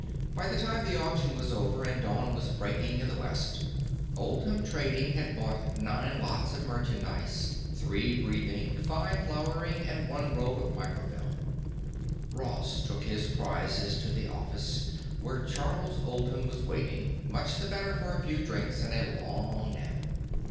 By the time the auction was over and dawn was breaking in the west, Oldham Trading had bought nine lots of merchandise: three breathing, five flowering, and one a roll of microfilm. Ross took his prizes to the office where Charles Oldham was waiting, much the better for a few drinks and a long nap.